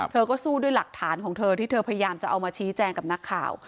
เธอก็สู้ด้วยหลักฐานของเธอที่เธอพยายามจะเอามาชี้แจงกับนักข่าว